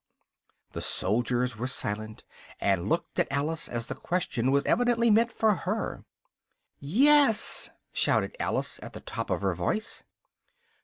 The soldiers were silent, and looked at Alice, as the question was evidently meant for her. "Yes!" shouted Alice at the top of her voice.